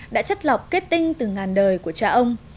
đã chất lọc kết tinh từ ngàn đời của cha ông